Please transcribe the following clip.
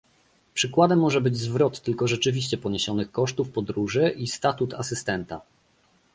Przykładem może być zwrot tylko rzeczywiście poniesionych kosztów podróży i statut asystenta